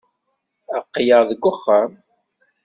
Aql-aɣ deg wexxam.